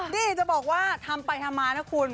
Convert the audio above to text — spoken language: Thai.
นี่จะบอกว่าทำไปทำมานะคุณ